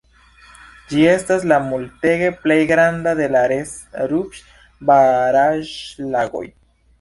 Ĝi estas la multege plej granda de la ses Ruhr-baraĵlagoj.